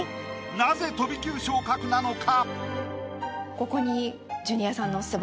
なぜ飛び級昇格なのか？